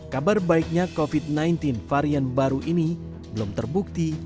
kabar baiknya covid sembilan belas varian baru ini belum terbukti